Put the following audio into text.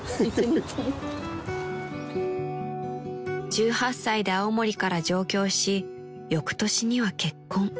［１８歳で青森から上京し翌年には結婚］